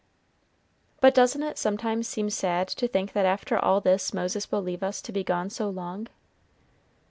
"But doesn't it sometimes seem sad to think that after all this Moses will leave us to be gone so long?"